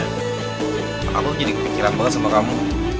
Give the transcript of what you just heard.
karena aku jadi kepikiran banget sama kamu